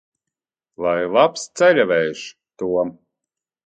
Lai labs ceļavējš, Tom!